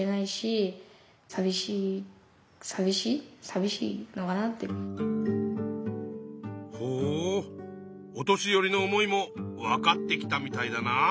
お年寄りの思いもわかってきたみたいだな。